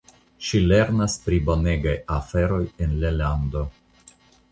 Ŝi lernas pri bonegaj aferoj en la lando.